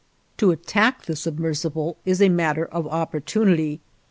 IV To attack the submersible is a matter of opportunity.